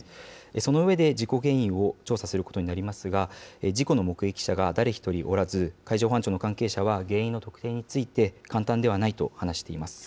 その上で、事故原因を調査することになりますが、事故の目撃者が誰一人おらず、海上保安庁の関係者は、原因の特定について、簡単ではないと話しています。